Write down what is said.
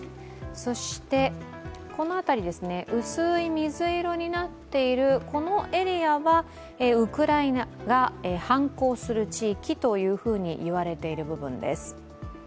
そしてこの辺り、薄い水色になっているエリアはウクライナが反抗する地域と言われている部分です。